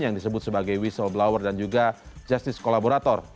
yang disebut sebagai whistleblower dan juga justice kolaborator